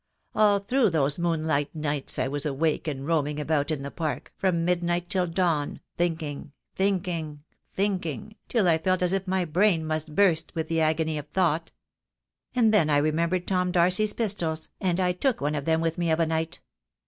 All through those moonlight nights I was awake and roaming about in the park, from mid night till dawn, thinking, thinking, thinking, till I felt as if my brain must burst with the agony of thought. And then I remembered Tom Darcy's pistols, and I took one of them with me of a night.